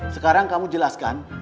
sekarang kamu jelaskan